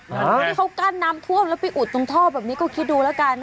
คนที่เขากั้นน้ำท่วมแล้วไปอุดตรงท่อแบบนี้ก็คิดดูแล้วกัน